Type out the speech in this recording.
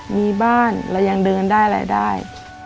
มีบ้านเรายังเดินได้เลย